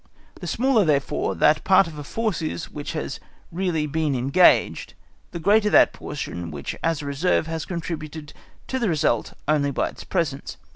The smaller, therefore, that part of a force is which has really been engaged, the greater that portion which as reserve has contributed to the result only by its presence.